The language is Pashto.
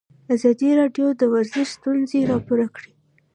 ازادي راډیو د ورزش ستونزې راپور کړي.